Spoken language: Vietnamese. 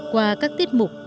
qua các tiết mục